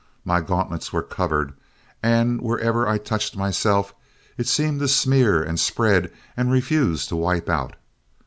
My gauntlets were covered, and wherever I touched myself, it seemed to smear and spread and refuse to wipe out.